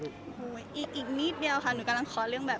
โอ้โหอีกนิดเดียวค่ะหนูกำลังขอเรื่องแบบ